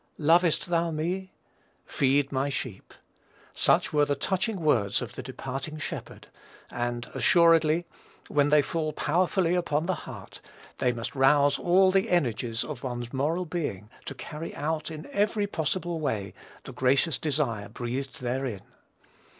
"Lovest thou me?... Feed my sheep." Such were the touching words of the departing Shepherd; and, assuredly, when they fall powerfully upon the heart, they must rouse all the energies of one's moral being to carry out, in every possible way, the gracious desire breathed therein.